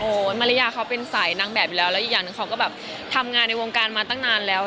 มาริยาเขาเป็นสายนางแบบอยู่แล้วแล้วอีกอย่างหนึ่งเขาก็แบบทำงานในวงการมาตั้งนานแล้ว